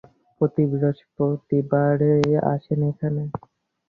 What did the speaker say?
প্রতি বৃহস্পতিবারেই আসেন এখানে?